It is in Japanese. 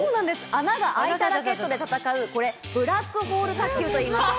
穴があいたラケットで戦うブラックホール卓球といいます。